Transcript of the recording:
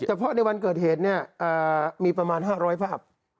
แต่เฉพาะในวันเกิดเหตุมีประมาณ๕๐๐ภาพ